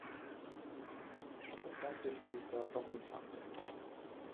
Das Ganze verlief dann doch im Sande.